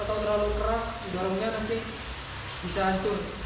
atau terlalu keras darungnya nanti bisa hancur